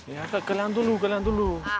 ya kalian dulu